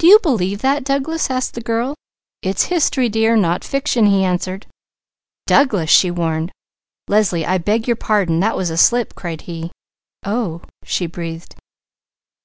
"Do you believe that, Douglas?" asked the girl. "It's history dear, not fiction," he answered. "Douglas!" she warned. "Leslie, I beg your pardon! That was a slip!" cried he. "Oh!" she breathed.